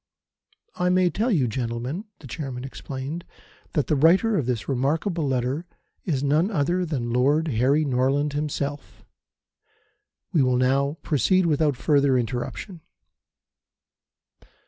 "I may tell you, gentlemen," the Chairman explained, "that the writer of this remarkable letter is none other than Lord Harry Norland himself. We will now proceed without further interruption."